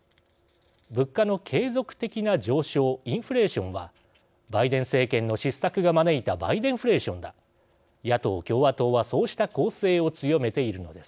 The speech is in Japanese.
物価の継続的な上昇、インフレーションは「バイデン政権の失策が招いたバイデンフレーションだ」野党・共和党はそうした攻勢を強めているのです。